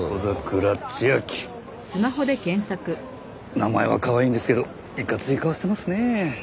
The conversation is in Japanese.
名前はかわいいんですけどいかつい顔してますね。